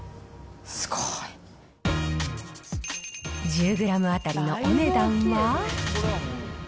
すごい。１０グラム当たりのお値段は？